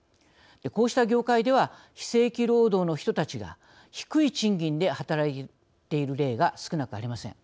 こうした業界では非正規労働の人たちが低い賃金で働いている例が少なくありません。